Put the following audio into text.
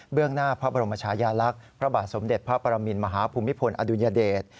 หน้าพระบรมชายาลักษณ์พระบาทสมเด็จพระปรมินมหาภูมิพลอดุญเดช